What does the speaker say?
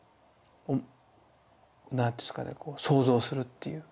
何ていうんですかね想像するっていう。